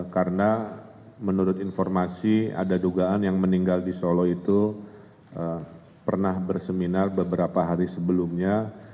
karena menurut informasi ada dugaan yang meninggal di solo itu pernah berseminar beberapa hari sebelumnya